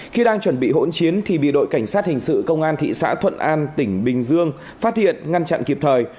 khi đang chuẩn bị hỗn chiến thì bị đội cảnh sát hình sự công an thị xã thuận an tỉnh bình dương phát hiện ngăn chặn kịp thời